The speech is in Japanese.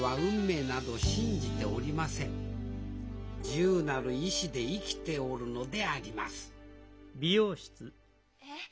自由なる意志で生きておるのでありますえっ？